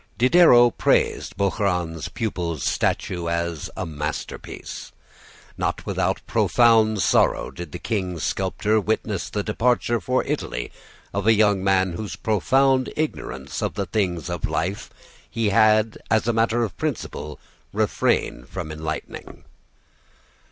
Diderot praised Bouchardon's pupil's statue as a masterpiece. Not without profound sorrow did the king's sculptor witness the departure for Italy of a young man whose profound ignorance of the things of life he had, as a matter of principle, refrained from enlightening.